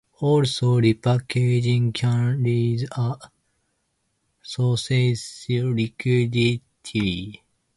Also, repackaging can raise a securities' liquidity.